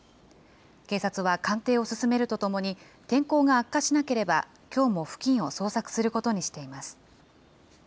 警察は、鑑定を進めるとともに、天候が悪化しなければ、きょうも付近を捜索することにしています。